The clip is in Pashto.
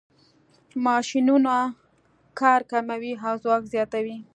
ماشینونه کار کموي او ځواک زیاتوي.